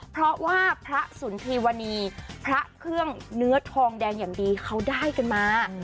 เพราะว่าพระสุนธีวนีพระเครื่องเนื้อทองแดงอย่างดีเขาได้กันมา